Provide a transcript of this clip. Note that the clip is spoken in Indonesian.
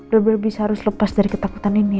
lebih bisa harus lepas dari ketakutan ini